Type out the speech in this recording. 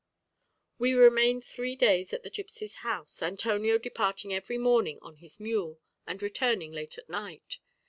We remained three days at the gipsies' house, Antonio departing early every morning on his mule, and returning late at night.